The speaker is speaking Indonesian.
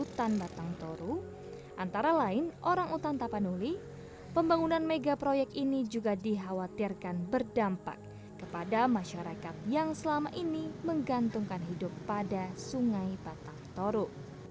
untuk orang orang yang berada di utang batang toru antara lain orang orang utang tapanuli pembangunan megaproyek ini juga dikhawatirkan berdampak kepada masyarakat yang selama ini menggantungkan hidup pada sungai batang toru